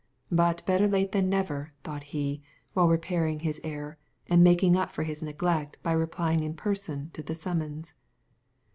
But better late than never, thought he, while repairing his error, and making up for his neglect by replying in person to the summons.